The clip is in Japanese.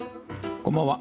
こんばんは。